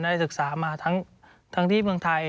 ศึกษามาทั้งที่เมืองไทย